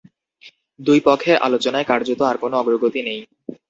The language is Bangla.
দুই পক্ষের আলোচনায় কার্যত আর কোনো অগ্রগতি নেই।